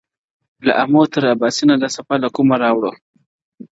له آمو تر اباسینه دا څپه له کومه راوړو-